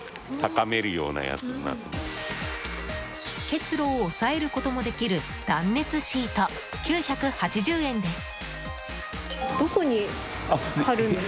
結露を抑えることもできる断熱シート、９８０円です。